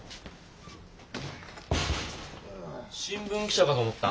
新聞記者かと思った？